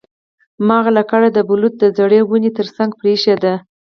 ما هغه لکړه د بلوط د زړې ونې ترڅنګ پریښې ده